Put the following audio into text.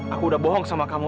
aku udah bohong sama kamu